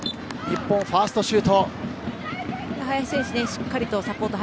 日本、ファーストシュート。